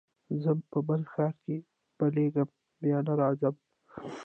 ځمه په بل ښار کي بلېږمه بیا نه راځمه